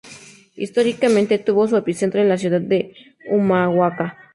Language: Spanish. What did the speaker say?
Históricamente tuvo su epicentro en la ciudad de Humahuaca.